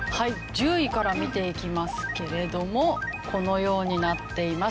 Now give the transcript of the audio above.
１０位から見ていきますけれどもこのようになっています。